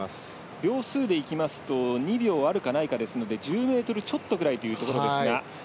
秒数でいきますと２秒あるかないかですから１０ｍちょっとぐらいというところですが。